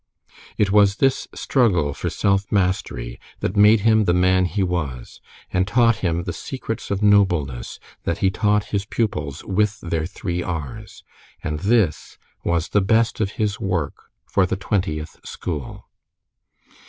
It was this struggle for self mastery that made him the man he was, and taught him the secrets of nobleness that he taught his pupils with their three "R's"; and this was the best of his work for the Twentieth school.